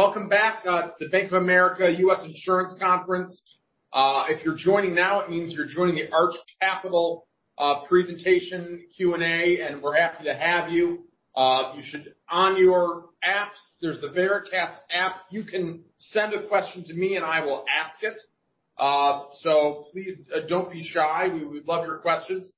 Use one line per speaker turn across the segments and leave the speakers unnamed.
Welcome back to the Bank of America Securities 2021 Virtual Insurance Conference. If you're joining now, it means you're joining the Arch Capital presentation Q&A, and we're happy to have you. On your apps, there's the Veracast app. You can send a question to me, and I will ask it. Please don't be shy. We would love your questions.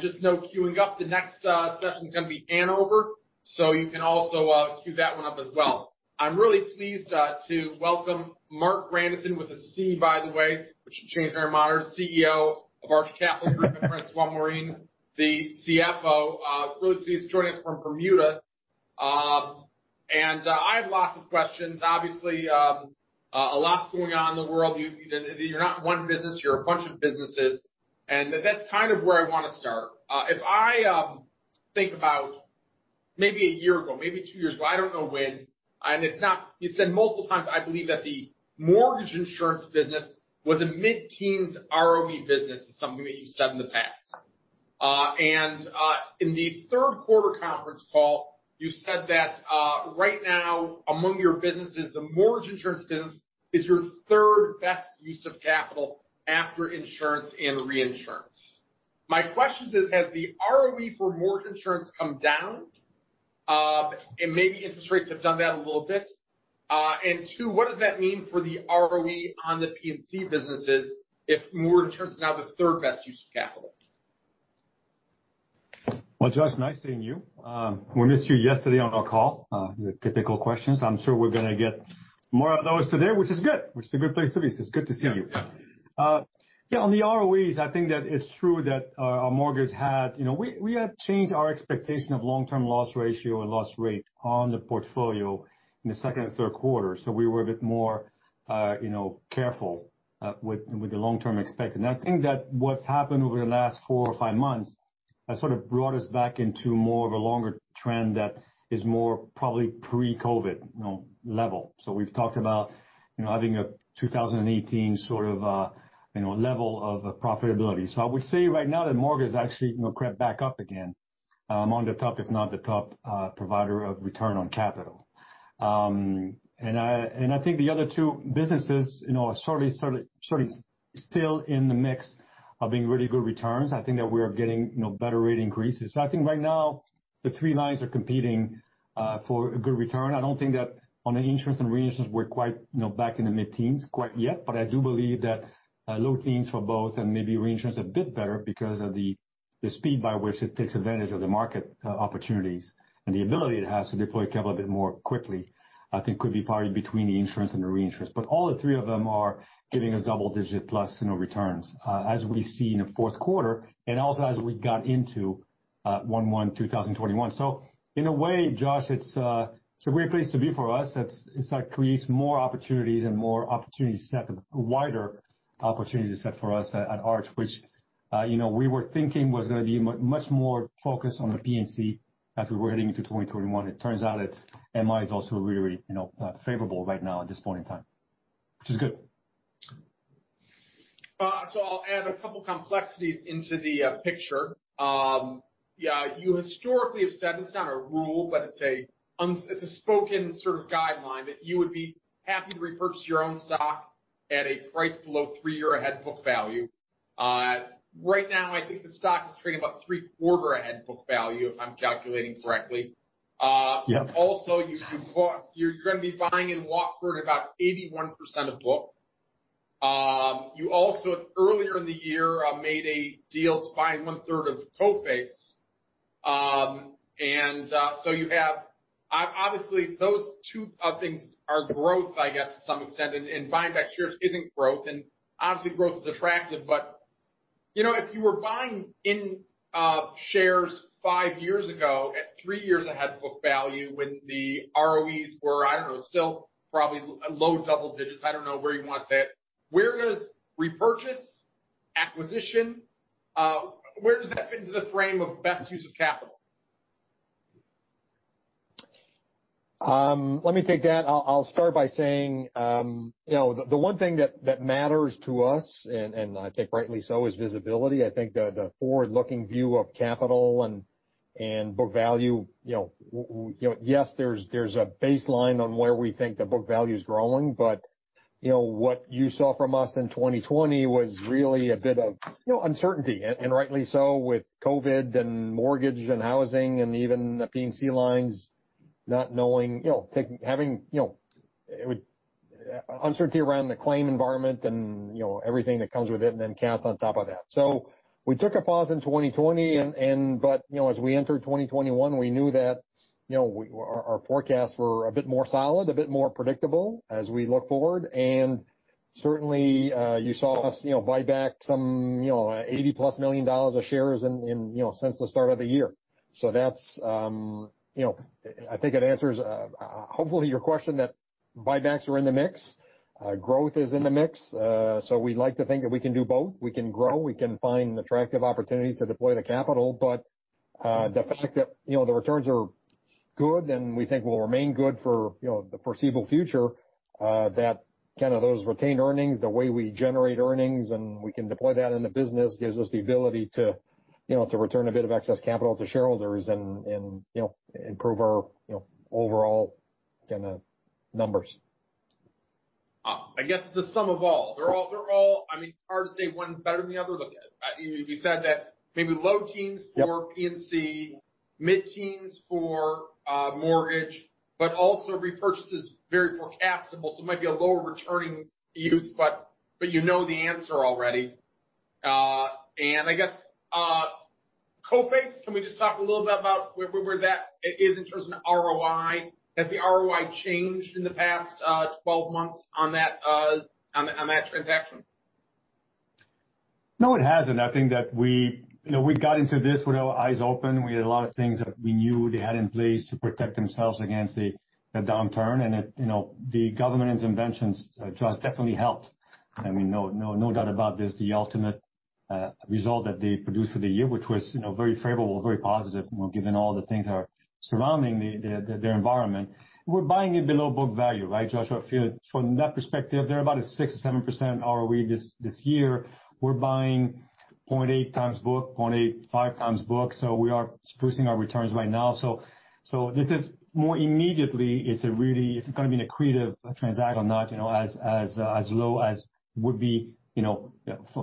Just know queuing up, the next session is going to be Hanover, so you can also queue that one up as well. I'm really pleased to welcome Marc Grandisson, with a C, by the way, which is very modern, CEO of Arch Capital Group, and François Morin, the CFO. Really pleased to join us from Bermuda. I have lots of questions. Obviously, a lot is going on in the world. You're not one business, you're a bunch of businesses, and that's kind of where I want to start. If I think about maybe a year ago, maybe 2 years ago, I don't know when, you said multiple times, I believe, that the mortgage insurance business was a mid-teens ROE business, is something that you said in the past. In the third quarter conference call, you said that right now, among your businesses, the mortgage insurance business is your third-best use of capital after insurance and reinsurance. My question is, has the ROE for mortgage insurance come down? Maybe interest rates have done that a little bit. Two, what does that mean for the ROE on the P&C businesses if mortgage insurance is now the third-best use of capital?
Josh, nice seeing you. We missed you yesterday on our call, your typical questions. I'm sure we're going to get more of those today, which is good. Which is a good place to be.
Yeah.
On the ROEs, I think that it's true that our mortgage We had changed our expectation of long-term loss ratio and loss rate on the portfolio in the second and third quarter. We were a bit more careful with the long-term expected. I think that what's happened over the last 4 or 5 months has sort of brought us back into more of a longer trend that is more probably pre-COVID level. We've talked about having a 2018 sort of level of profitability. I would say right now that mortgage has actually crept back up again, among the top, if not the top provider of return on capital. I think the other 2 businesses are certainly still in the mix of being really good returns. I think that we are getting better rate increases. I think right now the three lines are competing for a good return. I don't think that on the insurance and reinsurance we're quite back in the mid-teens quite yet. I do believe that low teens for both and maybe reinsurance a bit better because of the speed by which it takes advantage of the market opportunities and the ability it has to deploy capital a bit more quickly, I think could be probably between the insurance and the reinsurance. All the three of them are giving us double digit plus returns as we see in the fourth quarter and also as we got into 1/1, 2021. In a way, Josh, it's a great place to be for us. It creates more opportunities and more opportunity set, a wider opportunity set for us at Arch, which we were thinking was going to be much more focused on the P&C as we were heading into 2021. It turns out MI is also really favorable right now at this point in time, which is good.
I'll add a couple complexities into the picture. You historically have said, and it's not a rule, but it's a spoken sort of guideline that you would be happy to repurchase your own stock at a price below three-year ahead book value. Right now, I think the stock is trading about three-quarter ahead book value, if I'm calculating correctly.
Yeah.
You're going to be buying in Watford about 81% of book. You also, earlier in the year, made a deal to buy one-third of Coface. Those two things are growth, I guess, to some extent, buying back shares isn't growth. Obviously, growth is attractive, but if you were buying in shares five years ago at three years ahead book value when the ROEs were, I don't know, still probably low double digits, I don't know where you want to say it. Where does repurchase, acquisition, where does that fit into the frame of best use of capital?
Let me take that. I'll start by saying the one thing that matters to us, and I think rightly so, is visibility. I think the forward-looking view of capital and book value, yes, there's a baseline on where we think the book value is growing. What you saw from us in 2020 was really a bit of uncertainty, and rightly so, with COVID and mortgage and housing and even the P&C lines not knowing, having uncertainty around the claim environment and everything that comes with it, and then cats on top of that. We took a pause in 2020, as we entered 2021, we knew that our forecasts were a bit more solid, a bit more predictable as we look forward. Certainly, you saw us buy back some $80-plus million of shares since the start of the year. I think it answers, hopefully, your question that buybacks are in the mix. Growth is in the mix. We'd like to think that we can do both. We can grow, we can find attractive opportunities to deploy the capital. The fact that the returns are good and we think will remain good for the foreseeable future, that those retained earnings, the way we generate earnings, and we can deploy that in the business, gives us the ability to return a bit of excess capital to shareholders and improve our overall numbers.
I guess the sum of all. It's hard to say one's better than the other. Look, you said that maybe low teens-
Yep
for P&C, mid-teens for mortgage, also repurchase is very forecastable, it might be a lower returning use, you know the answer already. I guess Coface, can we just talk a little bit about where that is in terms of ROI? Has the ROI changed in the past 12 months on that transaction?
No, it hasn't. I think that we got into this with our eyes open. We had a lot of things that we knew they had in place to protect themselves against the downturn, and the government interventions, Josh, definitely helped. No doubt about this, the ultimate result that they produced for the year, which was very favorable, very positive given all the things that are surrounding their environment. We're buying it below book value, right, Josh? From that perspective, they're about a 6% or 7% ROE this year. We're buying 0.8 times book, 0.85 times book, so we are sprucing our returns right now. This is more immediately, it's going to be an accretive transaction as low as would be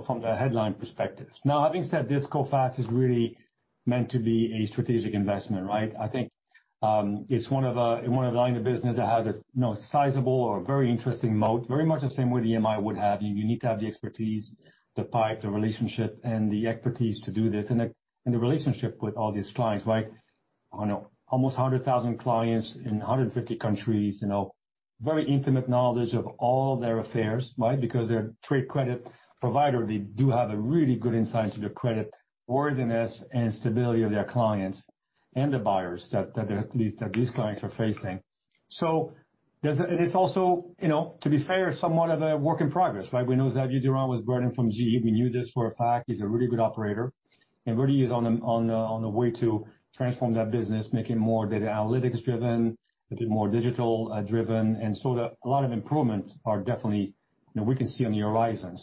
from the headline perspective. Having said this, Coface is really meant to be a strategic investment, right? I think it's one of the lines of business that has a sizable or very interesting moat, very much the same way the MI would have. You need to have the expertise, the pipe, the relationship, and the expertise to do this. The relationship with all these clients. Almost 100,000 clients in 150 countries, very intimate knowledge of all their affairs, right? Because they're a trade credit provider, they do have a really good insight into the credit worthiness and stability of their clients and the buyers that these clients are facing. It is also, to be fair, somewhat of a work in progress, right? We know Xavier Durand was brought in from GE. We knew this for a fact. He's a really good operator, and really is on the way to transform that business, make it more data analytics driven, a bit more digital driven. A lot of improvements are definitely, we can see on the horizon.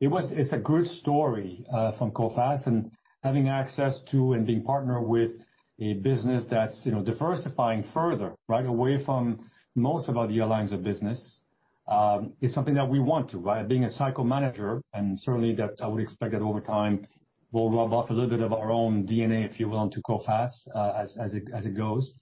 It's a good story from Coface and having access to and being partnered with a business that's diversifying further away from most of other lines of business, is something that we want to, right? Being a cycle manager, and certainly that I would expect that over time we'll rub off a little bit of our own DNA, if you will, onto Coface as it goes.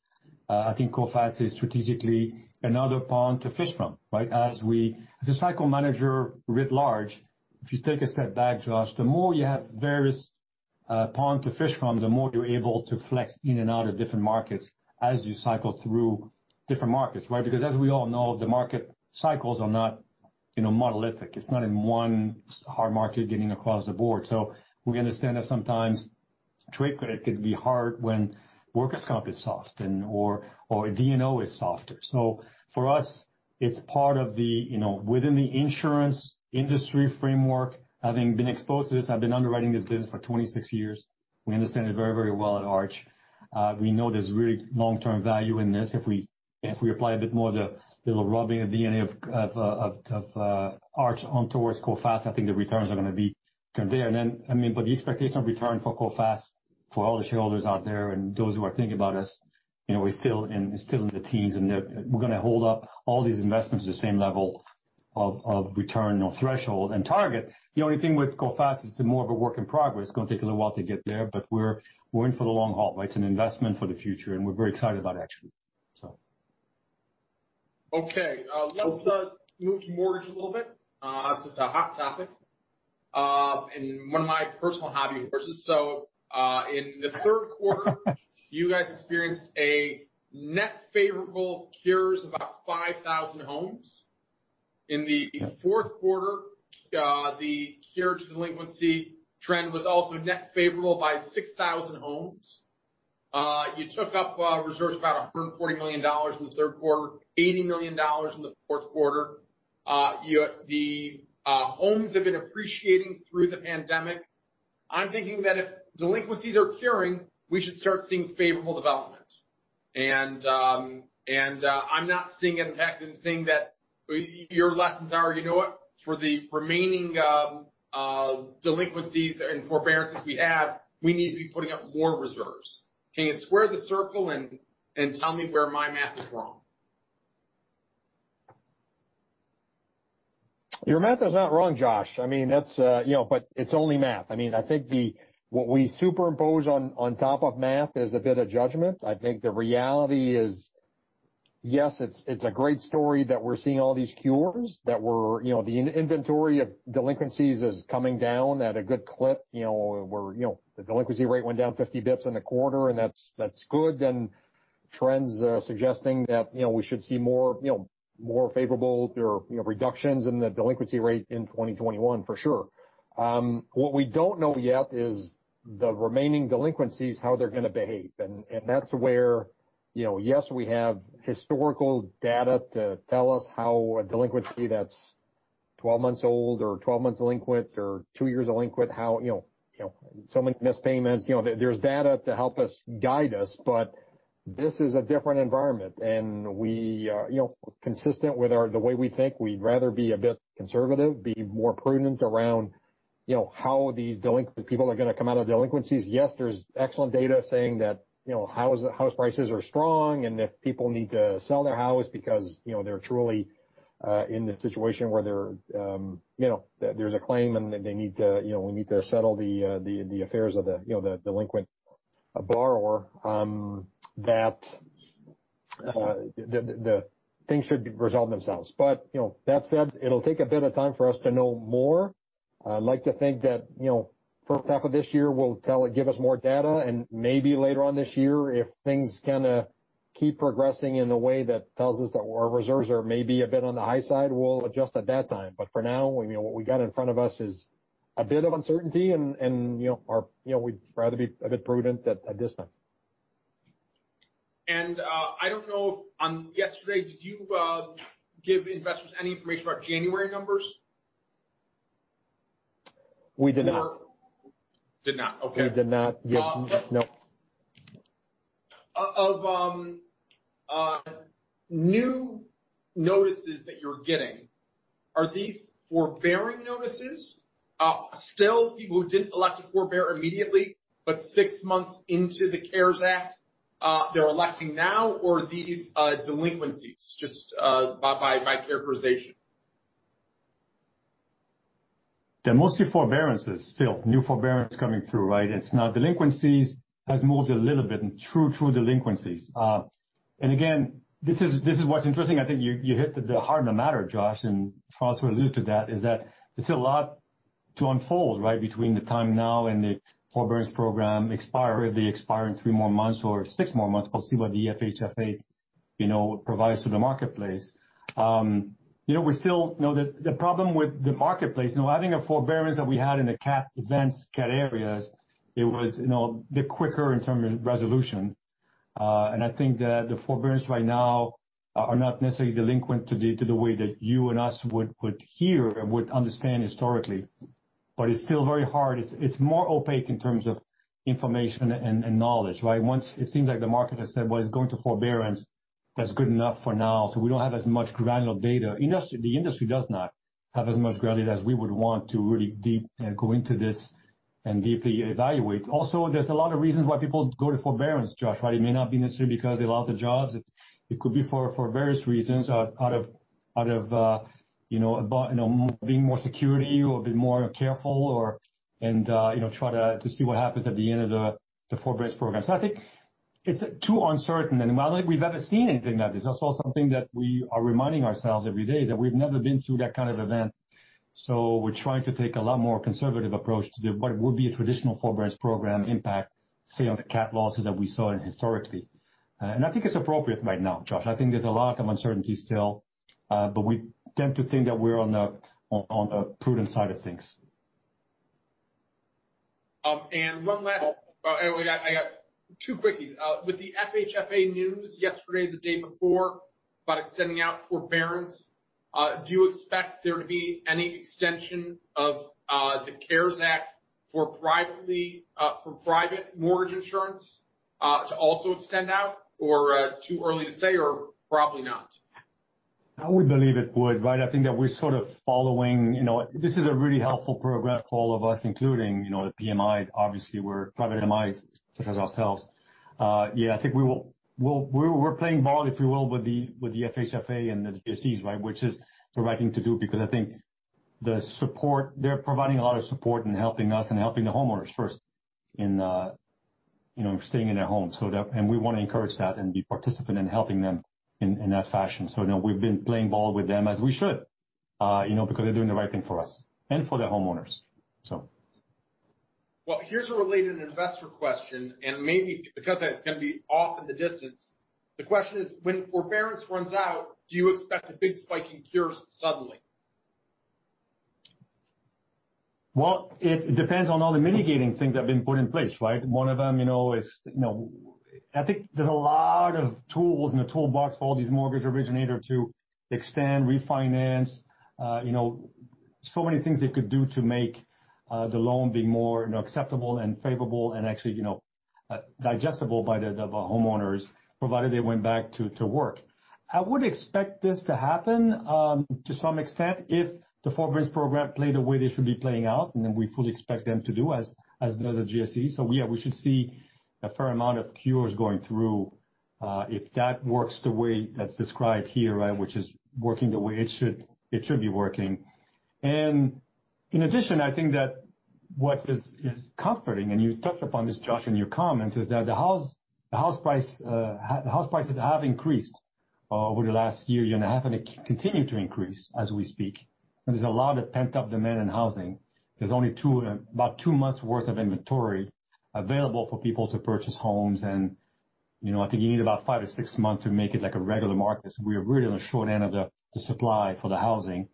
I think Coface is strategically another pond to fish from, right? As a cycle manager writ large, if you take a step back, Josh, the more you have various pond to fish from, the more you're able to flex in and out of different markets as you cycle through different markets, right? Because as we all know, the market cycles are not monolithic. It's not in one hard market getting across the board. We understand that sometimes trade credit can be hard when workers' comp is soft or D&O is softer. For us, it's part of the, within the insurance industry framework, having been exposed to this, I've been underwriting this business for 26 years. We understand it very well at Arch. We know there's really long-term value in this. If we apply a bit more of the little rubbing of DNA of Arch on towards Coface, I think the returns are going to be there. The expectation of return for Coface, for all the shareholders out there and those who are thinking about us, we're still in the teens, and we're going to hold up all these investments at the same level of return or threshold and target. The only thing with Coface is it's more of a work in progress. It's going to take a little while to get there, but we're in for the long haul. It's an investment for the future, and we're very excited about it, actually.
Okay. Let's move to mortgage a little bit since it's a hot topic. One of my personal hobby horses. In the third quarter, you guys experienced a net favorable cures of about 5,000 homes. In the fourth quarter, the cure to delinquency trend was also net favorable by 6,000 homes. You took up reserves about $140 million in the third quarter, $80 million in the fourth quarter. The homes have been appreciating through the pandemic. I'm thinking that if delinquencies are curing, we should start seeing favorable development. I'm not seeing it in the text and seeing that your lessons are, you know what? For the remaining delinquencies and forbearances we have, we need to be putting up more reserves. Can you square the circle and tell me where my math is wrong?
Your math is not wrong, Josh. It's only math. I think what we superimpose on top of math is a bit of judgment. I think the reality is, yes, it's a great story that we're seeing all these cures, that the inventory of delinquencies is coming down at a good clip. The delinquency rate went down 50 basis points in the quarter, that's good. Trends are suggesting that we should see more favorable reductions in the delinquency rate in 2021 for sure. What we don't know yet is the remaining delinquencies, how they're going to behave. That's where, yes, we have historical data to tell us how a delinquency that's 12 months old or 12 months delinquent or two years delinquent, so many missed payments. There's data to help us guide us. This is a different environment. Consistent with the way we think, we'd rather be a bit conservative, be more prudent around how these people are going to come out of delinquencies. Yes, there's excellent data saying that house prices are strong. If people need to sell their house because they're truly in a situation where there's a claim and we need to settle the affairs of the delinquent borrower, that the things should resolve themselves. That said, it'll take a bit of time for us to know more. I'd like to think that first half of this year will give us more data. Maybe later on this year, if things keep progressing in a way that tells us that our reserves are maybe a bit on the high side, we'll adjust at that time. For now, what we got in front of us is a bit of uncertainty, and we'd rather be a bit prudent at this time.
I don't know if yesterday, did you give investors any information about January numbers?
We did not.
Did not. Okay.
We did not give, no.
Of new notices that you're getting, are these forbearing notices still people who didn't elect to forbear immediately, but six months into the CARES Act they're electing now, or are these delinquencies just by characterization?
They're mostly forbearances, still. New forbearance coming through, right? It's now delinquencies has moved a little bit in true delinquencies. Again, this is what's interesting. I think you hit the heart of the matter, Josh, and François alluded to that, is that there's a lot to unfold, right, between the time now and the forbearance program expire, whether they expire in three more months or six more months. We'll see what the FHFA provides to the marketplace. The problem with the marketplace, I think the forbearance that we had in the CAT events, CAT areas, it was a bit quicker in term resolution. I think that the forbearance right now are not necessarily delinquent to the way that you and us would hear or would understand historically. It's still very hard. It's more opaque in terms of information and knowledge, right? Once it seems like the market has said, "Well, it's going to forbearance," that's good enough for now. We don't have as much granular data. The industry does not have as much granularity as we would want to really go into this and deeply evaluate. There's a lot of reasons why people go to forbearance, Josh, right? It may not be necessarily because they lost their jobs. It could be for various reasons out of being more security or being more careful or try to see what happens at the end of the forbearance program. I think it's too uncertain, and I don't think we've ever seen anything like this. That's also something that we are reminding ourselves every day, is that we've never been through that kind of event. We're trying to take a lot more conservative approach to what would be a traditional forbearance program impact, say, on the CAT losses that we saw historically. I think it's appropriate right now, Josh. I think there's a lot of uncertainty still. We tend to think that we're on the prudent side of things.
I got two quickies. With the FHFA news yesterday, the day before, about extending out forbearance, do you expect there to be any extension of the CARES Act for private mortgage insurance to also extend out, or too early to say, or probably not?
This is a really helpful program for all of us, including the PMI. Obviously, we're private MIs, such as ourselves. Yeah, I think we're playing ball, if you will, with the FHFA and the GSEs, right? Which is the right thing to do, because I think they're providing a lot of support in helping us and helping the homeowners first in staying in their homes. We want to encourage that and be participant in helping them in that fashion. We've been playing ball with them, as we should because they're doing the right thing for us and for the homeowners.
Well, here's a related investor question, and maybe because it's going to be off in the distance. The question is: When forbearance runs out, do you expect a big spike in cures suddenly?
Well, it depends on all the mitigating things that have been put in place, right? One of them is, I think there is a lot of tools in the toolbox for all these mortgage originators to extend, refinance. Many things they could do to make the loan be more acceptable and favorable and actually digestible by the homeowners, provided they went back to work. I would expect this to happen to some extent if the forbearance programs play the way they should be playing out, and then we fully expect them to do as the GSE. Yeah, we should see a fair amount of cures going through if that works the way that is described here, right? Which is working the way it should be working. In addition, I think that what is comforting, and you touched upon this, Josh, in your comment, is that the house prices have increased over the last year and a half, and they continue to increase as we speak. There is a lot of pent-up demand in housing. There is only about 2 months worth of inventory available for people to purchase homes. I think you need about 5 or 6 months to make it like a regular market. We are really on the short end of the supply for the housing.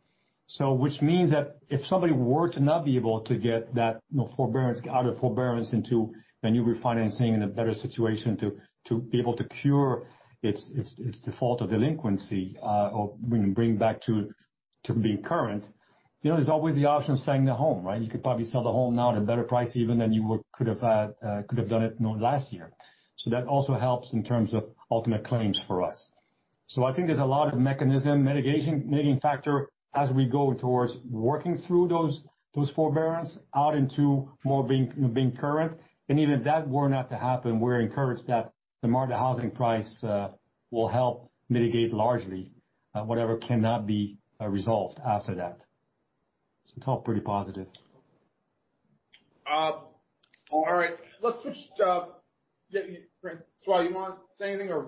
Which means that if somebody were to not be able to get that out of forbearance into a new refinancing and a better situation to be able to cure its default or delinquency, or bring back to
To be current, there is always the option of selling the home, right? You could probably sell the home now at a better price even than you could have done it last year. That also helps in terms of ultimate claims for us. I think there is a lot of mechanisms, mitigation factors as we go towards working through those forbearance out into more being current. Even if that were not to happen, we are encouraged that the housing prices will help mitigate largely whatever cannot be resolved after that. It is all pretty positive.
All right. Let's switch. François, you want to say anything, or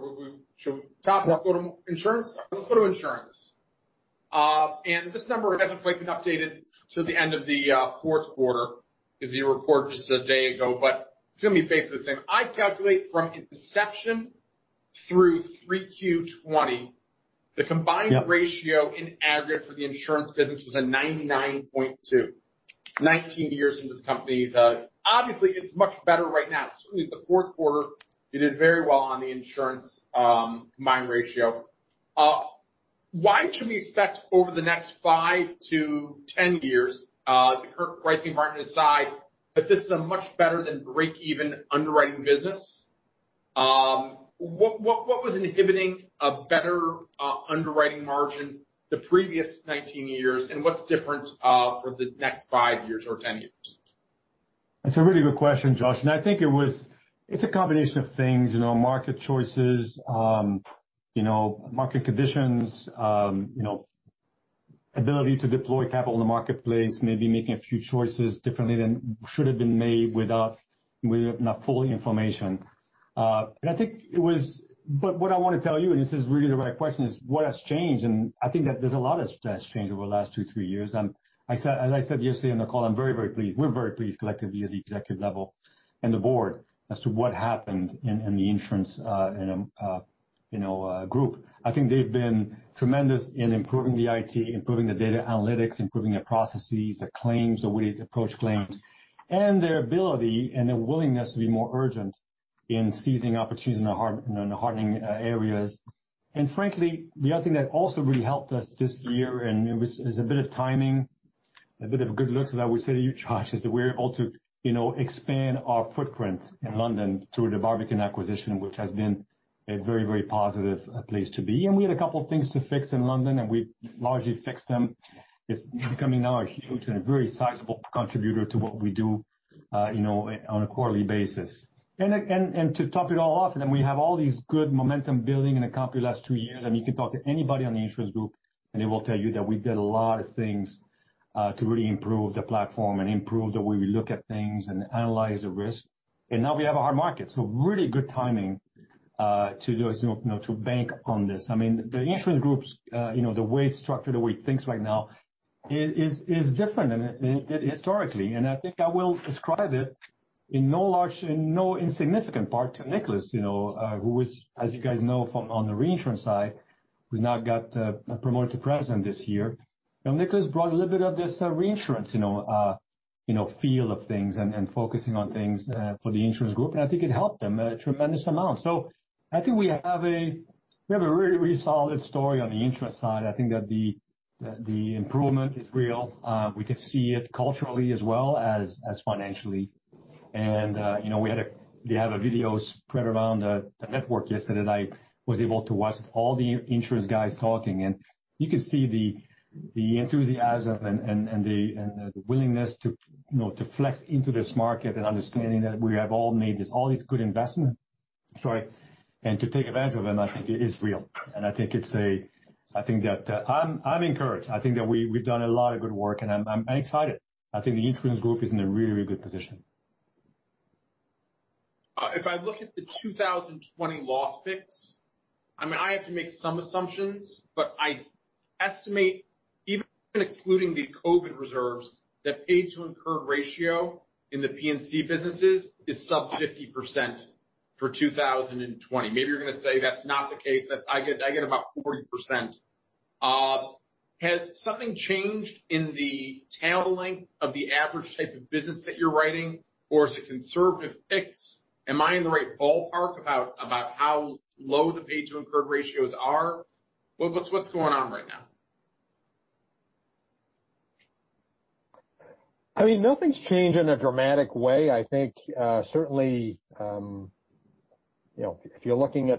should we go to insurance? Let's go to insurance. This number hasn't quite been updated to the end of the fourth quarter because you reported just a day ago, but it is going to be basically the same. I calculate from inception through 3Q 2020, the combined ratio in aggregate for the insurance business was a 99.2%, 19 years into the company. Obviously, it is much better right now. Certainly, the fourth quarter it did very well on the insurance combined ratio. Why should we expect over the next 5 to 10 years, the current pricing market aside, that this is a much better than break even underwriting business? What was inhibiting a better underwriting margin the previous 19 years, and what is different for the next 5 years or 10 years?
That's a really good question, Josh. I think it's a combination of things, market choices, market conditions, ability to deploy capital in the marketplace, maybe making a few choices differently than should have been made with not full information. What I want to tell you, and this is really the right question, is what has changed. I think that there's a lot that's changed over the last two, three years. As I said yesterday on the call, I'm very, very pleased. We're very pleased collectively as the executive level and the board as to what happened in the insurance group. I think they've been tremendous in improving the IT, improving the data analytics, improving the processes, the claims, the way they approach claims, and their ability and their willingness to be more urgent in seizing opportunities in the hardening areas. Frankly, the other thing that also really helped us this year, it was a bit of timing, a bit of good luck, as I would say to you, Josh, is that we're able to expand our footprint in London through the Barbican acquisition, which has been a very, very positive place to be. We had a couple of things to fix in London, and we've largely fixed them. It's becoming now a huge and a very sizable contributor to what we do on a quarterly basis. To top it all off, we have all these good momentum building in the company last two years. You can talk to anybody on the insurance group, and they will tell you that we did a lot of things to really improve the platform and improve the way we look at things and analyze the risk. Now we have a hard market. Really good timing to bank on this. The insurance group's, the way it's structured, the way it thinks right now is different than it did historically. I think I will describe it in no insignificant part to Nicolas, who is, as you guys know, on the reinsurance side, who's now got promoted to President this year. Nicolas brought a little bit of this reinsurance feel of things and focusing on things for the insurance group, and I think it helped them a tremendous amount. I think we have a really solid story on the insurance side. I think that the improvement is real. We can see it culturally as well as financially. We had a video spread around the network yesterday, and I was able to watch all the insurance guys talking, and you could see the enthusiasm and the willingness to flex into this market and understanding that we have all made all these good investments, sorry, and to take advantage of them. I think it is real. I'm encouraged. I think that we've done a lot of good work, and I'm excited. I think the insurance group is in a really, really good position.
If I look at the 2020 loss picks, I have to make some assumptions, but I estimate, even excluding the COVID reserves, that paid to incurred ratio in the P&C businesses is sub 50% for 2020. Maybe you're going to say that's not the case. I get about 40%. Has something changed in the tail length of the average type of business that you're writing, or is it conservative picks? Am I in the right ballpark about how low the paid to incurred ratios are? What's going on right now?
Nothing's changed in a dramatic way. I think, certainly, if you're looking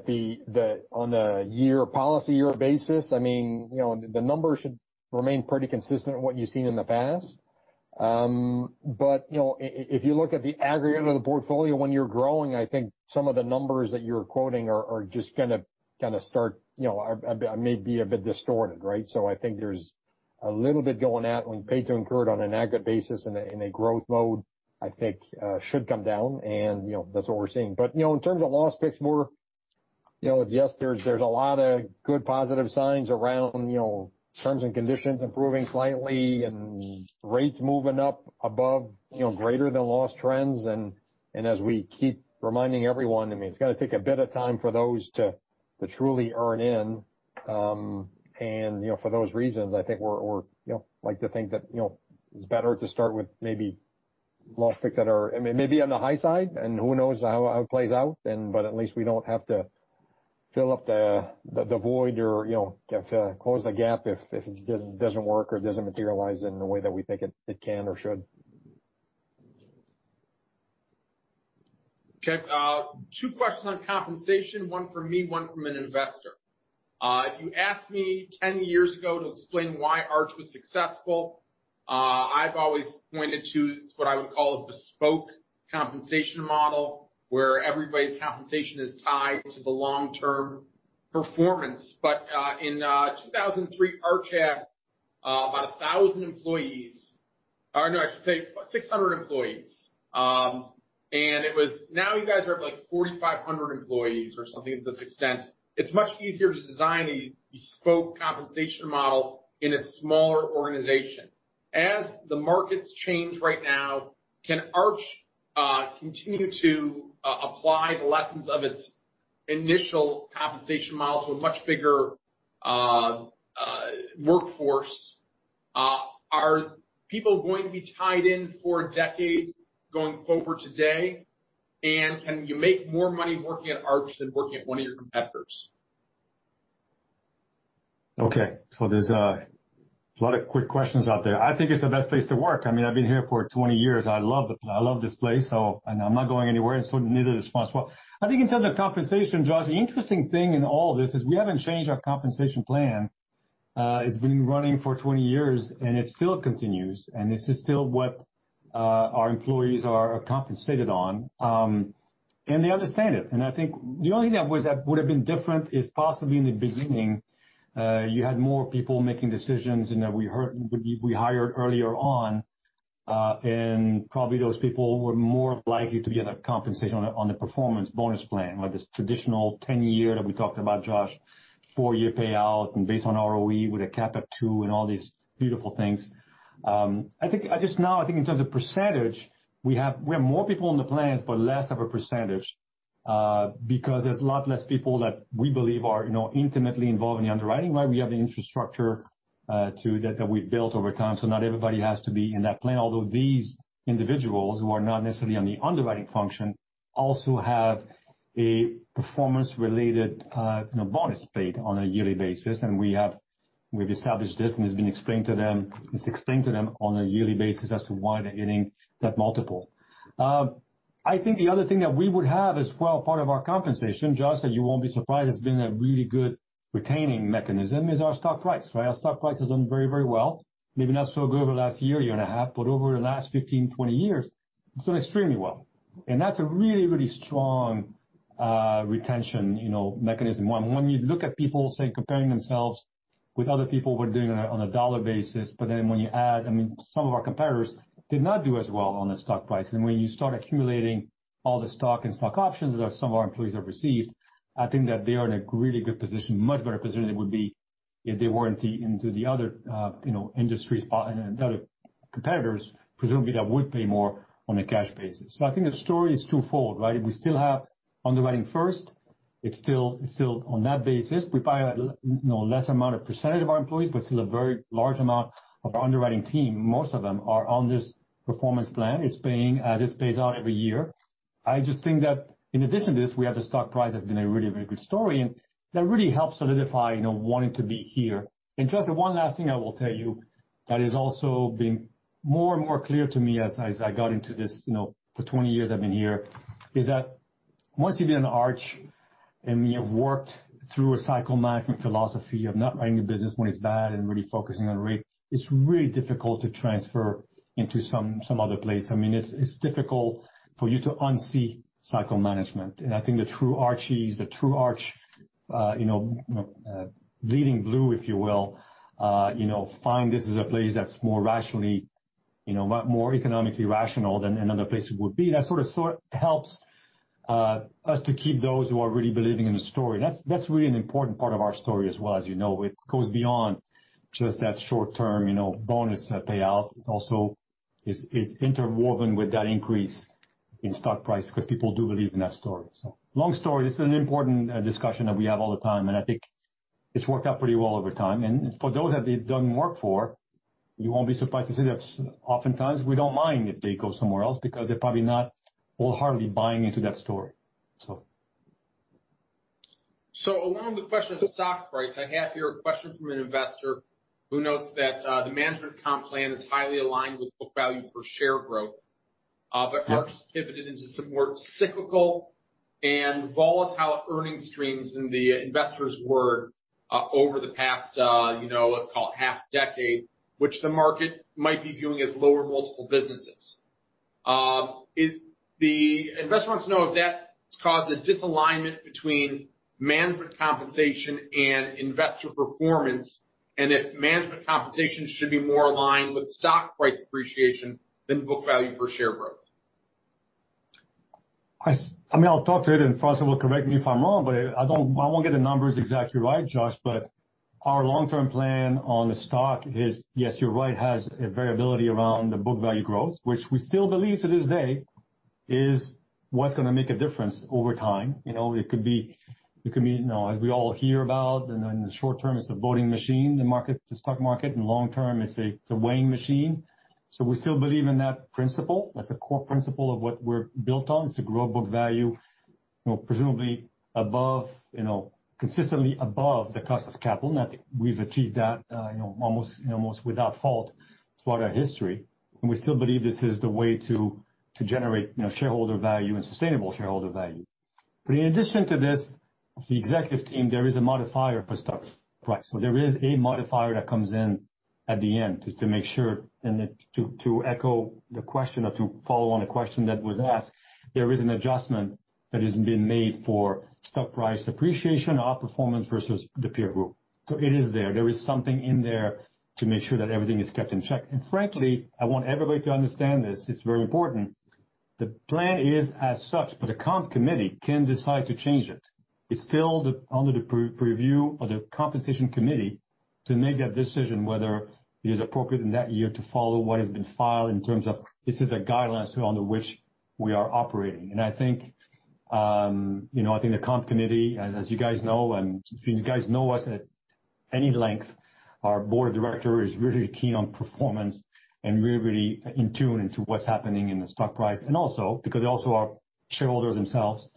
on a policy year basis, the numbers should remain pretty consistent in what you've seen in the past. If you look at the aggregate of the portfolio when you're growing, I think some of the numbers that you're quoting are just going to start maybe a bit distorted, right? I think there's a little bit going on when paid to incurred on an aggregate basis in a growth mode, I think should come down, and that's what we're seeing. In terms of loss picks more, yes, there's a lot of good positive signs around terms and conditions improving slightly and rates moving up above, greater than loss trends. As we keep reminding everyone, it's going to take a bit of time for those to truly earn in. For those reasons, I think we like to think that it's better to start with maybe
loss picks that are maybe on the high side, and who knows how it plays out. At least we don't have to fill up the void or close the gap if it doesn't work or it doesn't materialize in the way that we think it can or should.
Okay. Two questions on compensation, one from me, one from an investor. If you asked me 10 years ago to explain why Arch was successful, I'd always pointed to what I would call a bespoke compensation model, where everybody's compensation is tied to the long-term performance. In 2003, Arch had about 1,000 employees. No, I should say 600 employees. Now you guys are up like 4,500 employees or something to this extent. It's much easier to design a bespoke compensation model in a smaller organization. As the markets change right now, can Arch continue to apply the lessons of its initial compensation model to a much bigger workforce? Are people going to be tied in for decades going forward today? Can you make more money working at Arch than working at one of your competitors?
Okay, there's a lot of quick questions out there. I think it's the best place to work. I've been here for 20 years. I love this place, so I'm not going anywhere. Neither is François. I think in terms of compensation, Josh, the interesting thing in all of this is we haven't changed our compensation plan. It's been running for 20 years, and it still continues. This is still what our employees are compensated on. They understand it. I think the only thing that would've been different is possibly in the beginning, you had more people making decisions, in that we hired earlier on. Probably those people were more likely to be on a compensation on the performance bonus plan, like this traditional 10 year that we talked about, Josh, four-year payout and based on ROE with a cap at two and all these beautiful things. I think in terms of percentage, we have more people in the plans, but less of a percentage, because there's a lot less people that we believe are intimately involved in the underwriting. We have the infrastructure, too, that we've built over time, so not everybody has to be in that plan. Although these individuals who are not necessarily on the underwriting function also have a performance-related bonus paid on a yearly basis. We've established this. It's been explained to them on a yearly basis as to why they're getting that multiple. I think the other thing that we would have as well, part of our compensation, Josh, that you won't be surprised has been a really good retaining mechanism, is our stock price, right? Our stock price has done very well. Maybe not so good over the last year and a half, but over the last 15, 20 years, it's done extremely well. That's a really strong retention mechanism. When you look at people, say, comparing themselves with other people who are doing on a dollar basis, but then when you add, some of our competitors did not do as well on the stock price. When you start accumulating all the stock and stock options that some of our employees have received, I think that they are in a really good position, much better position than they would be if they weren't into the other competitors, presumably that would pay more on a cash basis. I think the story is twofold, right? We still have underwriting first. It's still on that basis. We pay less amount of percentage of our employees, but still a very large amount of our underwriting team, most of them are on this performance plan. This pays out every year. I just think that in addition to this, we have the stock price that's been a really good story, and that really helps solidify wanting to be here. Josh, the one last thing I will tell you that has also been more and more clear to me as I got into this, for 20 years I've been here, is that once you've been at Arch and you've worked through a cycle management philosophy of not running a business when it's bad and really focusing on rate, it's really difficult to transfer into some other place. It's difficult for you to unsee cycle management. I think the true Archies, the true Arch bleeding blue, if you will, find this as a place that's more economically rational than another place would be. That sort of helps us to keep those who are really believing in the story. That's really an important part of our story as well, as you know. It goes beyond just that short-term bonus payout. It also is interwoven with that increase in stock price because people do believe in that story. Long story, this is an important discussion that we have all the time, and I think it's worked out pretty well over time. For those that it doesn't work for, you won't be surprised to see that oftentimes we don't mind if they go somewhere else because they're probably not wholeheartedly buying into that story.
Along with the question of stock price, I have here a question from an investor who notes that the management comp plan is highly aligned with book value per share growth.
Yeah
Arch pivoted into some more cyclical and volatile earning streams, in the investor's word, over the past let's call it half decade, which the market might be viewing as lower multiple businesses. The investor wants to know if that's caused a disalignment between management compensation and investor performance, and if management compensation should be more aligned with stock price appreciation than book value per share growth.
I'll talk to it, François will correct me if I'm wrong, but I won't get the numbers exactly right, Josh, our long-term plan on the stock is, yes, you're right, has a variability around the book value growth, which we still believe to this day is what's going to make a difference over time. It could be, as we all hear about in the short term, it's a voting machine, the stock market. In the long term, it's a weighing machine. We still believe in that principle. That's the core principle of what we're built on, is to grow book value, presumably consistently above the cost of capital. I think we've achieved that almost without fault throughout our history. We still believe this is the way to generate shareholder value and sustainable shareholder value. In addition to this, the executive team, there is a modifier for stock price. There is a modifier that comes in at the end just to make sure and to echo the question or to follow on a question that was asked, there is an adjustment that has been made for stock price appreciation, outperformance versus the peer group. It is there. There is something in there to make sure that everything is kept in check. Frankly, I want everybody to understand this. It's very important. The plan is as such, the comp committee can decide to change it. It's still under the purview of the compensation committee to make that decision whether it is appropriate in that year to follow what has been filed in terms of this is a guidelines under which we are operating. I think the comp committee, as you guys know, and if you guys know us at any length, our board of director is really keen on performance and really in tune into what's happening in the stock price, and also because they also are shareholders themselves,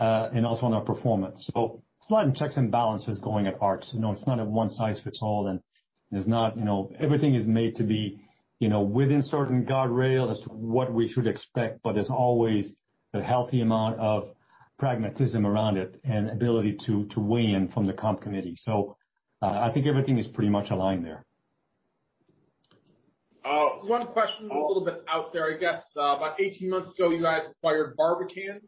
and also on our performance. It's a lot of checks and balances going at Arch. It's not a one size fits all, everything is made to be within certain guardrails as to what we should expect, there's always a healthy amount of pragmatism around it and ability to weigh in from the comp committee. I think everything is pretty much aligned there.
One question a little bit out there, I guess. About 18 months ago, you guys acquired Barbican.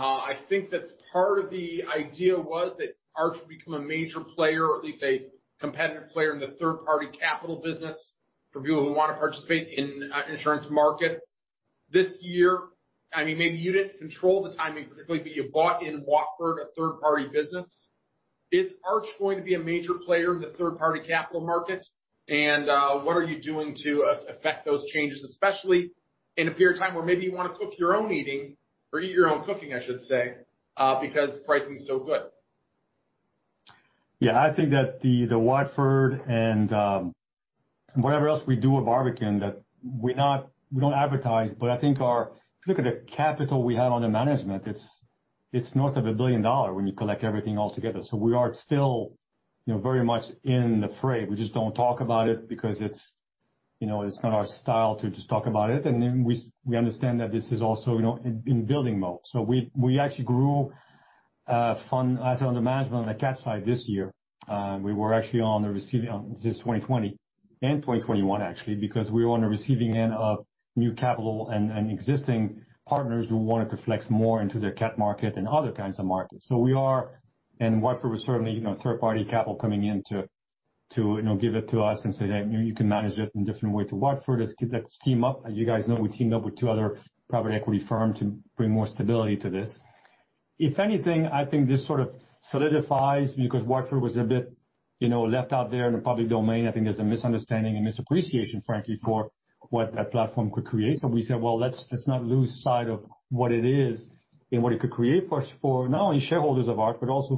I think that's part of the idea was that Arch would become a major player or at least a competitive player in the third-party capital business for people who want to participate in insurance markets. This year, maybe you didn't control the timing particularly, but you bought in Watford a third-party business. Is Arch going to be a major player in the third-party capital market? What are you doing to affect those changes, especially in a period of time where maybe you want to cook your own eating or eat your own cooking, I should say, because pricing is so good?
I think that the Watford and whatever else we do with Barbican, that we don't advertise, but I think if you look at the capital we have under management, it's north of $1 billion when you collect everything all together. We are still very much in the fray. We just don't talk about it because it's not our style to just talk about it. We understand that this is also in building mode. We actually grew fund assets under management on the cat side this year. We were actually on the receiving end this 2020 and 2021, actually, because we were on the receiving end of new capital and existing partners who wanted to flex more into their cat market than other kinds of markets. Watford was certainly third-party capital coming in to give it to us and say that you can manage it in a different way to Watford. Let's team up. As you guys know, we teamed up with two other private equity firm to bring more stability to this. If anything, I think this sort of solidifies because Watford was a bit left out there in the public domain. I think there's a misunderstanding and misappreciation, frankly, for what that platform could create. We said, "Let's not lose sight of what it is and what it could create for us for not only shareholders of Arch but also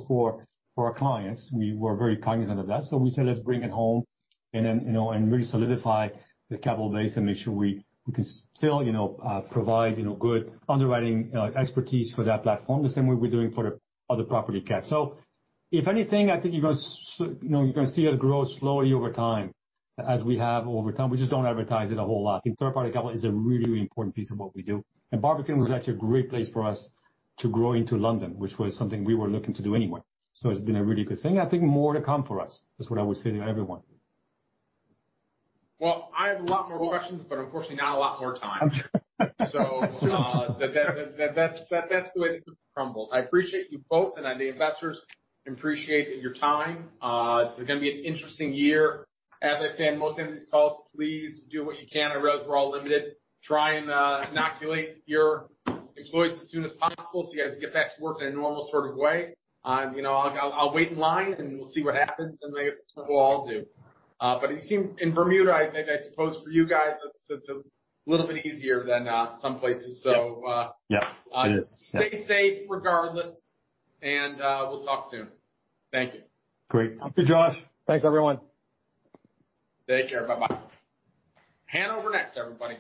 for our clients." We were very cognizant of that. We said, let's bring it home and really solidify the capital base and make sure we can still provide good underwriting expertise for that platform the same way we're doing for the other property cat. If anything, I think you're going to see us grow slowly over time as we have over time. We just don't advertise it a whole lot. I think third-party capital is a really important piece of what we do. Barbican was actually a great place for us to grow into London, which was something we were looking to do anyway. It's been a really good thing. I think more to come for us is what I would say to everyone.
Well, I have a lot more questions, but unfortunately not a lot more time. That's the way the cookie crumbles. I appreciate you both, and I know investors appreciate your time. It's going to be an interesting year. As I say on most end of these calls, please do what you can. I realize we're all limited. Try and inoculate your employees as soon as possible so you guys can get back to work in a normal sort of way. I'll wait in line, and we'll see what happens, and I guess that's what we'll all do. It seems in Bermuda, I suppose for you guys, it's a little bit easier than some places so-
Yeah. It is
stay safe regardless. We'll talk soon. Thank you.
Great.
Thank you, Josh. Thanks, everyone.
Take care. Bye-bye. Hanover next, everybody